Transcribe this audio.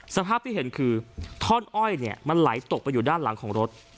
สภาพที่เห็นคือท่อนอ้อยเนี่ยมันไหลตกไปอยู่ด้านหลังของรถ